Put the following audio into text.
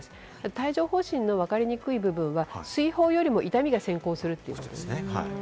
帯状疱疹のわかりにくい部分は水泡よりも痛みが先行するということです。